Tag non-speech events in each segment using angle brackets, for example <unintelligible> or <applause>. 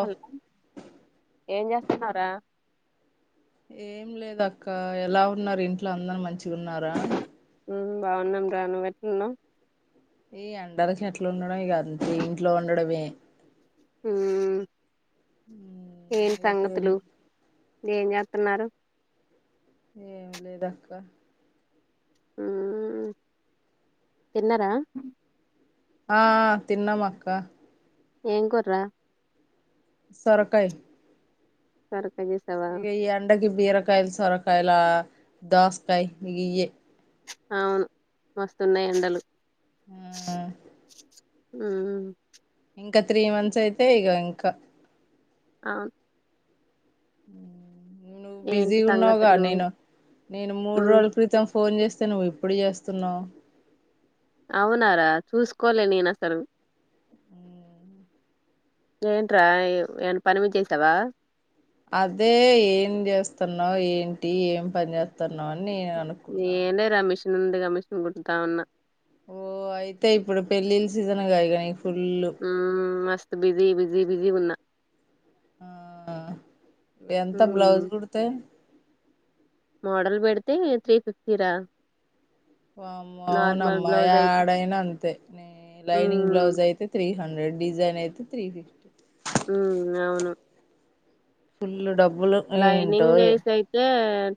Hello ఏం చేస్తునవ్వురా. ఏం లేదక్కా ఎలా ఉన్నారు ఇంట్లో అందరు మంచిగా ఉన్నారా. ఉమ్ బాగున్నాం రా. నువ్వు ఎట్లున్నావ్? ఈ అండరికి ఎట్లా ఉండడం ఇగ అంత ఇంట్లో ఉండడమే. హుమ్మ్. ఉమ్, ఏం ఏటి సంగతులు. ఏం చేస్తున్నారు. ఏం లేదక్క. హామ్ తిన్నారా? ఆ తిన్నాం అక్క. ఏం కుర్ రా? సోరకాయ సర ఈగ ఇ ఎండకి బీరకాయలు సొర కయాలా దోసకాయ ఈగ ఇయా అవును మస్త్తున్నాయి ఎండలు ఆ ఉ ఇంకా త్రీ మంత్స్ అయితే ఇక ఇంకా అ ఉ నువ్వు బిజీ ఏంటి ఉన్నావుగా సంగతులు నేను నేను మూడు ఉమ్ రోజుల క్రితం ఫోన్ చేస్ అయితే నువ్వు ఎప్పుడు చేస్తున్నావు అవునారా చూసుకోలే నేను అసలు ఏంటరా ఏన్ పని మీద చేశావా అదే ఏం చేస్తున్నావు ఏంటి ఏం పని చేస్తన్ నావ అన్ని అనుకున నుండి రమేష్ గుట్టుతా ఉన్న ఓ అయితే ఇప్పుడు పెళ్ళిళ్ళ సీజన్ <unintelligible> కాయ కాని ఉమ్.. మస్త బిజి బిజి బిజీ గా ఉన్నా ఆ ఎంత ఉమ్ బ్లౌజ్ కుడతే తీ త్రీ ఫిఫటీ రా వామ్మో నార్మల్ అవునమ్మా బ్లౌజ్ అయితే యాడైనా అంతే నే లైనింగ్ బ్లౌజ్ హ్మ్. అయితే త్రీ హండ్రెడ్ డిజైన్ అయితే త్రీ ఫిఫ్టీ ఉ అవును ఫుల్ డబ్బు లైనింగ్ ఏసి అయితే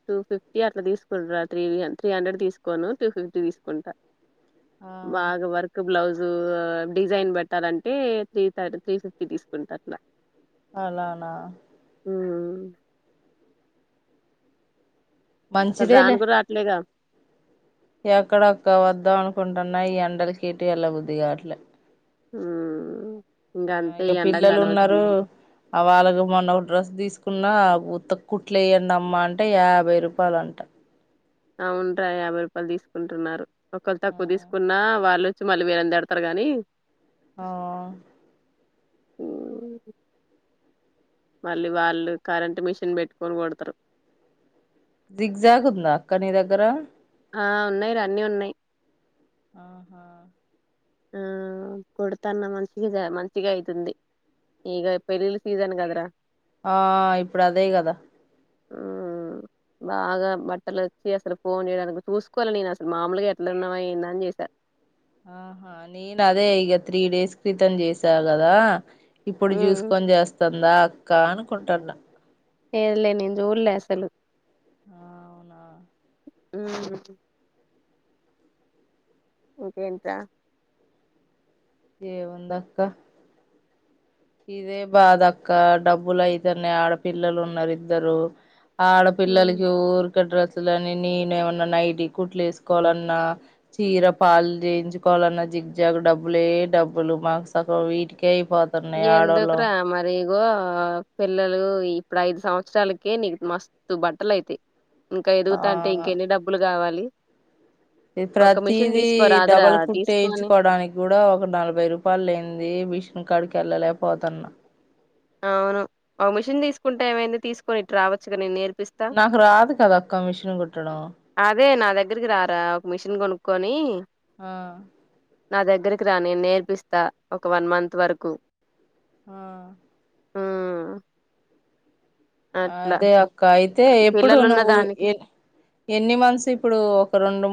టూ ఫిఫ్టీ అట్లా తీసుకుంటరా త్రీ త్రీ హండ్రెడ్ తీసుకోను టూ ఫిఫ్టీ తీసుకుంటా ఆ బాగా వర్క్ బ్లౌజ్ డిజైన్ పెట్టాలంటే త్రీథ త్రీ ఫిఫ్టీ తీసుకుంటా అట్లా అలానా ఉ అసలు మంచిదేలే రానునికి రాట్లేగా ఎక్కడక్క వద్దాం అనుకుంటున్నా ఈ ఎండలకీ ఎటు ఎల్ల బుద్ది గట్లే ఉహ్మ్ ఆ ఇక పిల్లలు ఉన్నారు ఆ వాళ్ళకి మొన్న ఒక డ్రెస్ తీసుకున్న ఉత్త కుట్లు ఎయంండ అమ్మా అంటే యాభై రూపాయలు అంట అవునురా యాభై రూపాయలు తీసుకుంటున్నారు ఒకళ్రు ఆ తక్కువ తీసుకున్న వాళ్ళు మళ్ళీ మీీరెంత ఆడతారు గానీ ఆ మళ్ళీ వాళ్ళు కరెంు మిషన్ పెట్టుకని కొడతారు జిగ్జాక్ ఉందా అక్క నీ దగ్గర ఆ ఉన్నాయి రన్నీ ఉన్నాయి ఆహా ఆ కొడతన్న మంచిగా మంచిగా అవుతుంది ఈక పెళ్ళిళ్ళ సీజన్ కదరా ఆ ఇప్పుడు అదే కదా బాగా బట్టలు వచ్చి అసలు ఫోన్ చేయడానికి చూసుకోవాలి నేను అసలు మామూలుగా ఎట్లాన్నా అయంద అని చేసారు ఆహా నేను అదే ఇక త్రీ డేస్ క్రితం చేసా కదా ఇప్పుడు ఉమ్ చూసుకొని చేస్తది అందా అక్క అనుకుంటాన్న లేదు లే నేను చూడలే అసలు ఆ అవునా అ ఇంకేంత ఏ వందా అక్క ఇదే బాధక్క డబ్బులు అయితనే ఆడపిల్లలు ఉన్నారు ఇద్దరు ఆడపిల్లలకి ఊరు డ్రెస్లుని నేను ఏమన్నా నైటి కుట్లు వసుకోవాలన్నా చీర పాలు చేయించుకోవాలన్నా జిగ్ జాగ్ డబ్బులే డబ్బులు మాకు స వీటికే అయిపోత ఎందుకు రా మరి ఇగో పిల్లలు ఇప్పుడు ఐదు సంవత్సరాలకే నీకు మస్తు బట్టలు అయితాయి ఇంకా ఆ ఎదుగుతంటే ఇంక ఎన్ని డబ్బులు కావాలి ఇది ఒక మిషన్ ప్రతిది తీసుకోరాదురా డబల్ తీసుకొని కుట్టేయించుకోవడానికి కూడా ఒక నలభై రూపాయలు అయింది మిషన్ కాడికి వెళ్ళలేపోతున్నా అవును ఒక మిషన్ తీసుకుంటే ఏమైంది తీసుకుని ఇటు రావచ్చు కద నేను నేర్ పిస్తా నాకు రాదు కదా అక్క మిషన్ కుట్టడం అదే నా దగ్గరికి రారా ఒక మిషన్ కొనుక్కొని ఆ నా దగ్గరికి రా నేను నేర్పిస్తా ఒక వన్ మంత్ వరకు ఆ హ్మ్ అట్లా అదే అక్క ఇ అయితే ఎప్పుడు పిల్లలున్న నువ్వు దానికి ఎ ఎన్ని మంత్స్ ఇప్పుడు ఒక రెండు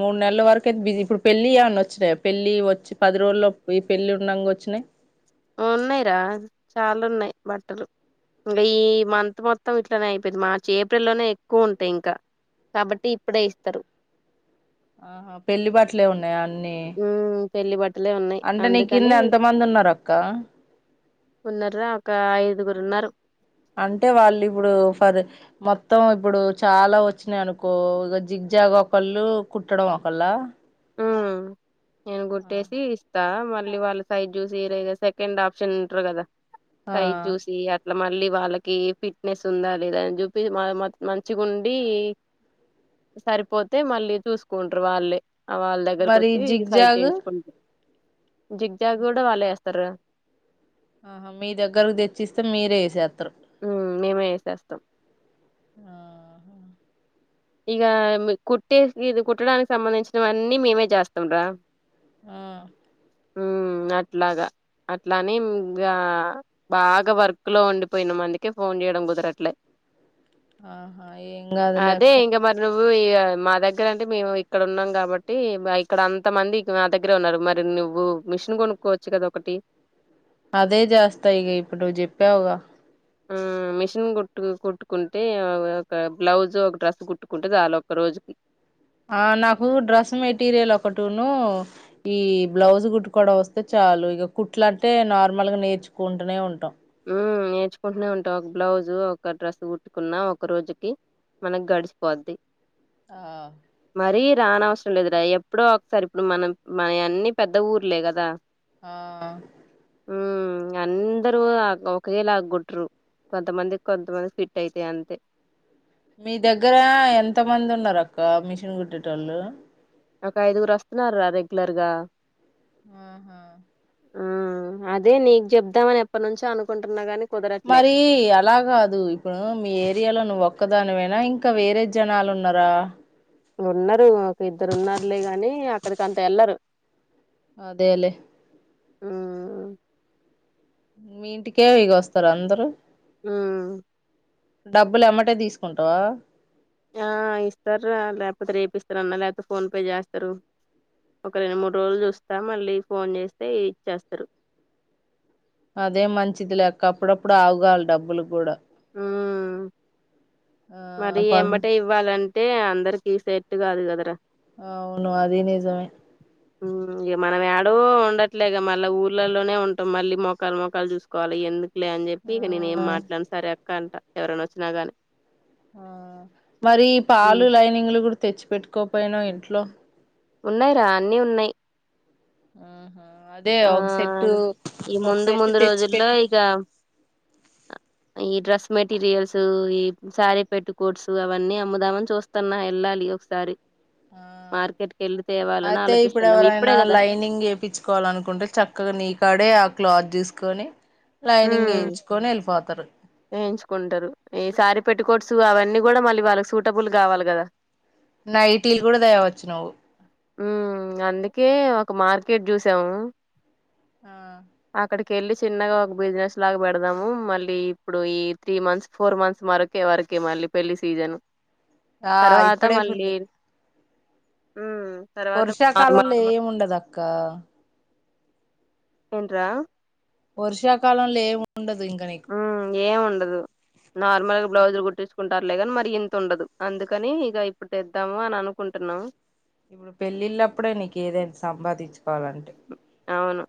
మూడు నెలల వరక అయితే బిజి ఇప్పుడు పెళ్లి ఏమైనా వచ్చినాయి పెళ్లి వచ్చి పది రోజుల్లో ఈ పెళ్లి ఉండంగా వచ్చినాయి ఉన్నాయిరా చాలా ఉన్నాయి బట్టలు ఇంకా ఈ మంత్ మొత్తం ఇట్లానే అయిపోతది మార్చ్ ఏప్రిల్ లోనే ఎక్కువ ఉంటాయి ఇంకా కాబట్టి ఇప్పుడే ఇస్తారు ఆహా పెళ్లి బట్టలే ఉన్నాయా అ పెళ్లి బట్టలే ఉన్నాయి అంటే నీ కింద అందుకని ఎంత మంది ఉన్నారు అక్క ఉన్నారురా ఒక ఐదుగురు ఉన్నారు అంటే వాళ్ళు ఇప్పుడు ఫర్ మొత్తం ఇప్పుడు చాలా వచ్చినాయి అనుకో ఇక జిగ్ జాగ్ ఒకళ్ళు కుట్టడం ఒకళ్ళ హ్మ్ నేను కుట్టేసి ఇస్తా మళ్ళీ వాళ్ళ సైజ్ చూసి రే ఇగ సెకండ్ ఆప్షన్ ఉంటారు కదా ఆ సైజ్ జూసి అట్ల మా లీ వాళ్ళకీ ఫిట్నెస్ ఉందా లేదాని చెపి మా మా మంచిగుండీ సరిపోతే మళ్ళీ చూసుకుంటర్ వాళ్ళే వాళ్ దగ్గరక్ మరి ఒచ్చి సైజ్ జిగ్జాగ్ చేయించుకుంట్ జిగ్ జాగ్ గూడా వాళ్లె ఎస్తారు ఆహా మీ దగ్గరక్ తెచ్చిస్తే మీరే ఏసేతరు మేమే ఏసేస్తాం ఆ హ్ ఇగా మీ కుట్టే ఇ కుట్టడానిక్ సంబంధించినవన్నీ మేమే చేస్తాం రా ఆ మ్ అట్లాగా అట్లని ఇగా బాగ వర్క్ లో ఉండిపోయినం అందుకే ఫోన్ చేయడం కుదరట్లే ఆహా ఎంకాదులె అక్ ఏ ఇంగ మరి నువ్ నువ్వు ఇగ మా దగ్గర అంటే మేము ఇక్కడ ఉన్నాం కాబట్టీ బ ఇక్కడ అంతమంది నా దగ్గరే ఉన్నారు మరి నువ్వూ మిషన్ కొనుక్కోవచ్చు కదా ఒకటి అదే జేస్త ఇగ ఇపుడ్ నువ్ చెప్పావు గా ఉ మిషన్ కుట్టు కుట్టుకుంటే ఒక బ్లౌజ్ ఒక డ్రెస్ కుట్టుకుంటే చాలు ఒక రోజుక్ ఆ నాకూ డ్రెస్ మెటీరియల్ ఒకటునూ ఈ బ్లౌజ్ కుట్టు కోవడం వస్తే చాలు ఇక కుట్ల్ అంటే నార్మల్ గా నేర్చుకుంటునే ఉంటాం ఊ నేర్చుకుంట్నే ఉంటవ్ ఒక బ్లౌజు ఒక డ్రెస్ కుట్టుకున్న ఒక రోజుకి మనకు గడిసిపోద్ది ఆ మరీ రానవసరం లేదుర ఎప్పుడో ఒకసార్ ఇప్పుడు మనం మన అన్ని పెద్ద ఊర్లే గదా ఆ మ్ అందరు ఒకే లాగ్ కుట్రు కొంతమంది కొంతమంది ఫిట్ అయితాయ్ అంతే మీ దగ్గరా ఎంత మంది ఉన్నరు అక్కా మిషన్ గుడ్డెటోళ్ళు ఒక ఐదుగురు వస్త్నార్ రా రెగ్యులర్గా ఆహా ఆ అదే నీకు చెబ్దామని ఎప్పటినుంచో అనుకుంటున్నా గాని కుదరట్లే మరీ అలా గాదు ఇప్పుడు మీ ఏరియాలో నువ్వు ఒక్క దానివేనా ఇంకా వేరే జనాల్ ఉన్నర ఉన్నరు ఒక ఇద్దరు ఉన్నార్లే గాని అక్కడికి అంత ఎళ్లరు అదేలె మ్ మీ ఇంటికే ఇగ ఒస్తరా అందరు మ్ డబ్బుల్ ఎమ్మటె తీస్కుంటవా ఆ ఇస్తార్రా లేక్పోతె రేపిస్తరన్న లేక్పోతె ఫోన్పే చేస్తరు ఒక రెండ్ మూడ్ రోజుల్ చూస్తా మళ్ళీ ఫోన్ చేస్తే ఇచ్చేస్తారు అదే మంచిది లేక అప్పుడప్పుడు ఆవ్గాల్ డబ్బులు కూడా ఆ మరి ఆ కొం ఎంబటె ఇవ్వాలంటే అందరికి సే గాదు గదరా ఆ ఔను అదీ నిజమే ఇగ మనం ఏడో ఉండట్లేగా మళ్ళా ఊర్లలోనే ఉంటాం మళ్ళీ మొకాల్ మొకాల్ చూసుకోవాలి ఎందుక్ లే అని చెప్పి ఇగ నేన్ ఏం ఆ మాట్లాన్ సరే కంట ఎవరైన్ ఒచ్చినా గాని ఆ మరి ఉమ్ పాలు లైనింగ్లు కూడా తెచ్చు పెట్టుకోపోయినా ఇంట్లో ఉన్నాయిరా అన్నీ ఉన్నాయి ఊహు అదే ఆ ఒక సెట్టు ఈ ఒక ముందు సెట్టు ముందు తెచ్చి రోజుల్లో పెట్టి ఇక ఈ డ్రెస్ మెటీరియల్స్ ఈ శారీ పెట్టుకోట్స్ అవన్నీ అమ్ముదామని చూస్తున్నా వెళ్ళాలి ఒకసారి ఆ మార్కెట్ కి వెళ్ళి తేవాలని అయితే ఇప్పుడు ఆలోచిస్తున్నాం ఎవరైనా ఇప్పుడే కదా లైనింగ్ చేయించుకోవాలినుకు కుంటే చక్కగా నీకాడే ఆ క్లాత్ తీసుకొని ఉ లైనింగ్ వేయించుకొని వెళ్ళిపోతారు వేయించుకుంటారు ఈసారి పేటికోట్స్ సో అవన్నీ కూడా మళ్ళీ వాళ్ళకి సూటబుల్ కావాలి కదా నైటీలు కూడా దేవచ్చు నువ్వు ఉ అందుకే ఒక మార్కెట్ చూసాము ఆ కేలి చిన్నగా ఒక బిజినెస్ లాగా పెడదాము మళ్ళీ ఇప్పుడు ఈ త్రీ మంత్స్ ఫోర్ మంత్స్ వరకే వరక మళ్ళీ పెళ్లి సీజన్ ఆ ఇప్పుడే ఫుల్ హ వర్షాకాలంలో ఏము ఉండదు అక్క ఏంట్రా వర్షాకాలం లే ఉ ఏం ఉండదు నార్మల్గా ఇప్పుడు బ్లౌజులు కుట్టించుకుం టారులేగాని మరి ఇంత ఉండదు అందుకని ఇక ఇప్పుడు తెద్దాము అని అనుకుంటున్నాం ఇప్పుడు పెళ్ళిళ్ళ అప్పుడే నీకు ఏదైనా సంపాదించుకో వాలంటే అవును.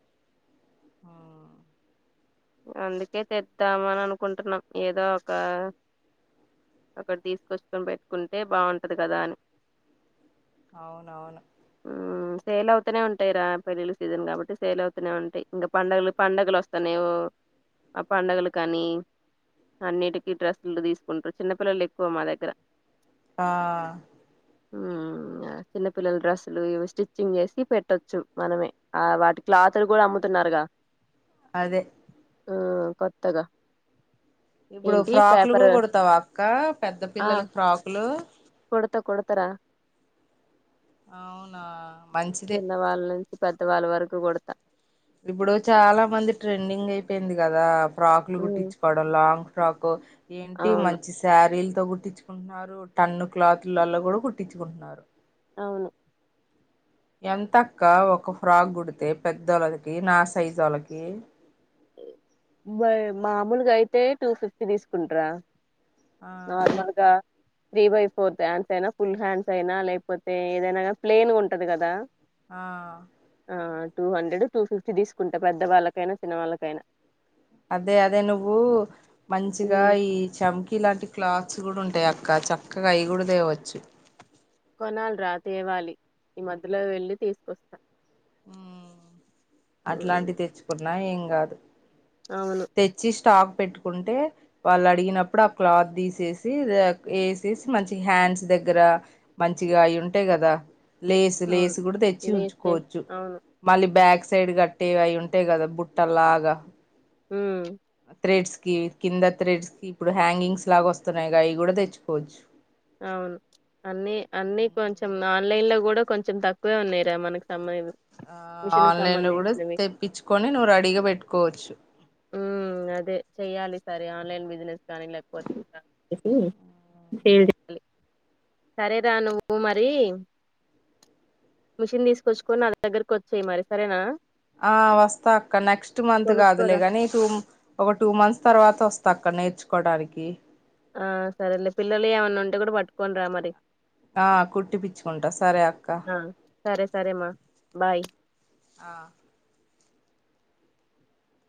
ఉ అందుకే తెద్దామని అనుకుంటున్నాం ఏదో ఒక ఒకటి తీసుకొచ్చుకని పెట్టుకుంటే బాగుంటది కదా అని అవునవును మ్మ్ సేల్ అవుతూనే ఉంటాయి రా పెళ్ళిళ్ళ సీజన్ కాబట్టి సేల్ అవుతూనే ఉంటాయి ఇంకా పడగలు పండగలు వస్తాన్నాయి ఓ ఆ పడగలు కనీ అన్నిటికీ డ్రెస్సులు తీసుకుంటారు చిన్నపిల్లలు ఎక్కువ మా దగ్గర ఆ ఉ ఆ చిన్నపిల్లల డ్రెస్సులు ఇవి స్టిచ్చింగ్ చేసి పెట్టొచ్చు మనమే ఆ వాటి క్లాతులు కూడా అమ్ముతున్నారుగా అదే ఉమ్ కొత్తగా ఇప్పుడు ఏంటి ఫ్రాకులు పేపర్ కూడా కుడతావా అక్క పెద్ద పిల్లలకి ఫ్రాకులు కుడత కుడత రా అవునా మంచిదే చిన్న వాళ్ళ నుంచి పెద్దవాళ్ళ వరకు కుడతా ఇప్పుడు చాలా మంది ట్రెండింగ్ అయిపోయింది గదా ఫ్రాక్లు మ్మ్ కుట్టించుకోడంలో ఫ్రాక్కు ఏంటి అవును మంచి శారీల్ గుట్టించుకుంటున్నారు టన్ను క్లాత్లలో కూడా కుట్టించుకుంటున్నారు అవును ఎంతక్క ఒక ఫ్రాక్ గుడితే పెద్దోళ్ళకి నా సైజు వోళ్ళకి మామూలుగా అయితే టూ ఫిఫ్టీ తీసుకుంట రా ఆ నార్మలగా త్రీ బై ఫోర్ హ్యాండ్స్ అయినా ఫుల్ హ్యాండ్స్ అయినా లేకపోతే ఏదైనా ప్లయిన్ ఉంటది కదా ఆ ఆ టూ హండ్రెడ్ టూ ఫిఫ్టీ తీసుకుంటా పెద్దవాళ్ళకైనా చిన్న వాళ్ళకైనా అదే అదే నువ్వు మంచిగా ఉమ్, ఈ చాంకీ లాంటి క్లాత్స్ కూడా ఉంటాయి అక్క చక్కగా అవి కూడా తేవచ్చు కొణాలి రా తేవాలి ఈ మధ్యలో వెళ్ళి తీసుకొస్తా ఉమ్ ఉమ్, అట్లాంటివి తెచ్చుకున్నా ఇం కాదు అవును తెచ్చి స్టాక్ పెట్టుకుంటే వాళ్ళు అడిగినప్పుడు ఆ క్లాత్ తీసేసి వేసేసి మంచి హ్యాండ్స్ దగ్గర మంచిగా అయి ఉంటాయి కదా లేసు అవును లేస్ కూడా తెచ్చి లేస్ లేస్ ఉంచుకోవచ్చు అవును మళ్ళీ బ్యాగ్స్ సైడ్ కట్టటి అవి ఉంటాయి్ కదా బుట్టలాగా హ థ్రెడ్స్ కి కింద థ్రెడ్స్ కి ఇప్పుడు హ్యాంగింగ్స్ లాగా వస్తున్నాయిగా అవి కూడా తెచ్చుకోవచ్చు అవును అన్ని అన్ని కొంచెం ఆన్లైన్ లో కూడా కొంచెం తక్కువే ఉన్నాయిరా మనకు సంబంధ ఆ మిషన్ కి ఆన్లైన్ లో కూడా సంబంధించినవి తెప్పించుకొని నువ్వు రెడీగా పెట్టుకోవచ్చు ఉమ్, అదే చెయాలి సరే ఆన్లైన్ బిజినెస్ కానీ లేకపోతే అ సరేరా నువ్వు మరి మిషన్ తీసుకొచ్చుకొని నా దగ్గరకు వచ్చేయి మరి సరేనా ఆ వస్తా అక్క నెక్స్ట్ మంత్ కాదులే కొనుక్కోరా కాని టూ ఒక టూ మంత్స్ తర్వాత వస్తా అక్క అక్కడ నేర్చుకోవడానికి ఆ సరే అండి పిల్లలు ఏమైన్నా ఉంటే కూడా పట్టుకోని రా మరి ఆ కుట్టి పచ్చుకుంటా సరే అక్క ఆ సరే సరేమా బాయ్ ఆ